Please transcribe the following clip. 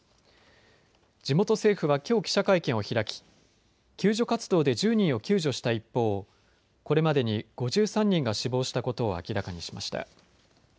地元政府はきょう記者会見を開き、救助活動で１０人を救助した一方、これまでに５３人が死亡したことを明らかにしました。